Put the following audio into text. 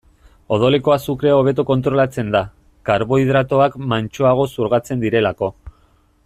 Odoleko azukrea hobeto kontrolatzen da, karbohidratoak mantsoago xurgatzen direlako.